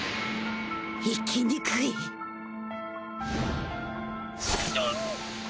生きにくいあ。